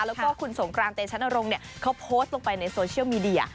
แล้วก็คุณสงกรานเตชนรงค์เขาโพสต์ลงไปในโซเชียลมีเดีย